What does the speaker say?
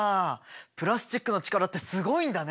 プラスチックの力ってすごいんだね！